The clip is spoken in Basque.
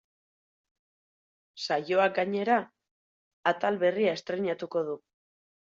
Saioak, gainera, atal berria estreinatuko du.